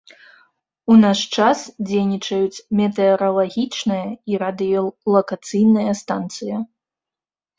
У наш час дзейнічаюць метэаралагічная і радыёлакацыйная станцыя.